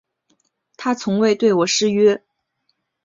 他从未对我失约